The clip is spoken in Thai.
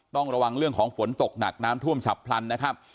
ต้องระวังเรื่องของฝนตกหนักน้ำท่วมฉับพลันนะครับ